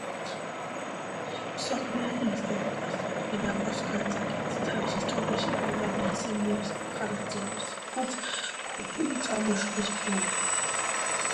სომეხი ისტორიკოსი კირაკოს განძაკეცი თავის „ისტორიაში“ პირველად იხსენიებს მხარგრძელებს, როგორც ქურთული წარმოშობის ფეოდალებს.